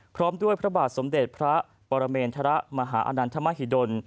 พร้อมด้วยพระบาทสมเด็จพระปรเมนทรมหาอนันทมหิดล